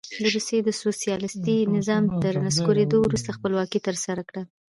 د روسیې د سوسیالیستي نظام تر نسکورېدو وروسته خپلواکي ترلاسه کړه.